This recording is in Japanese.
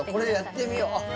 これやってみようあっ